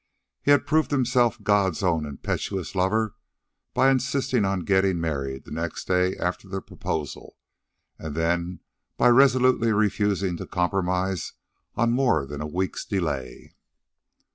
He had proved himself God's own impetuous lover by insisting on getting married the next day after the proposal, and then by resolutely refusing to compromise on more than a week's delay.